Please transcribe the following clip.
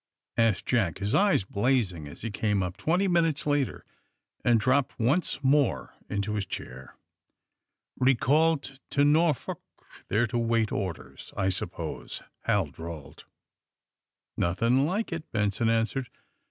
asked Jack, his eyes blazing, as he came up, twenty minutes later, and dropped once more into his chair. '^Eecalled to Norfolk, there to wait orders, I suppose,'^ Hal drawled. ^^ Nothing like it," Benson answered.